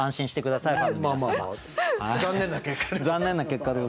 残念な結果に。